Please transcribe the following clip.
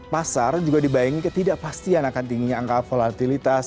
pasar juga dibayangi ketidakpastian akan tingginya angka volatilitas